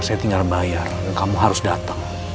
saya tinggal bayar kamu harus datang